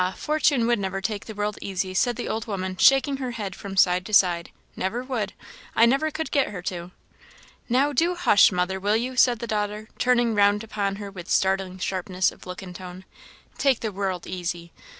Fortune never would take the world easy," said the old woman, shaking her head from side to side; "never would; I never could get her to." "Now, do hush, mother, will you!" said the daughter, turning round upon her with startling sharpness of look and tone; " 'take the world easy!'